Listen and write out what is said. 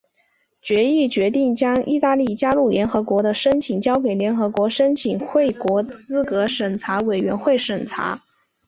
决议决定将意大利加入联合国的申请交给联合国申请入会国资格审查委员会审查。